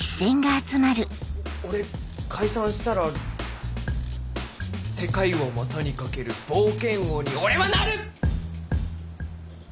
俺解散したら世界を股に掛ける冒険王に俺はなる！